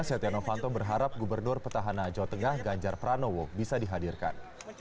setia novanto berharap gubernur petahana jawa tengah ganjar pranowo bisa dihadirkan